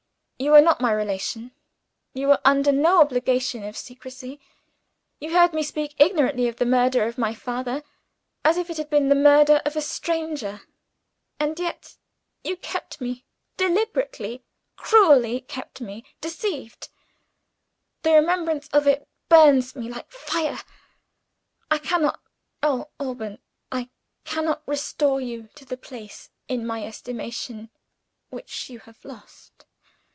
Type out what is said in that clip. You are not my relation; you were under no obligation of secrecy: you heard me speak ignorantly of the murder of my father, as if it had been the murder of a stranger; and yet you kept me deliberately, cruelly kept me deceived! The remembrance of it burns me like fire. I cannot oh, Alban, I cannot restore you to the place in my estimation which you have lost!